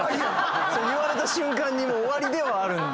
それ言われた瞬間に終わりではあるんで。